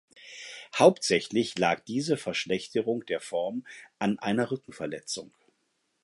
Hauptsächlich lag diese Verschlechterung der Form an einer Rückenverletzung.